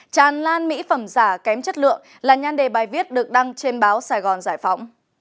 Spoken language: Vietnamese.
tràn lan mỹ phẩm giả kém chất lượng là nhan đề bài viết được đăng trên báo sài gòn giải phóng